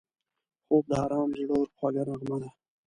خوب د آرام زړه خوږه نغمه ده